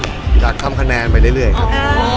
เราก็อยากทำแคะแนนไว้ได้เลยครับ